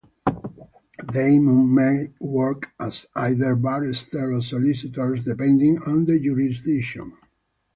They may work as either barristers or solicitors, depending on the jurisdiction.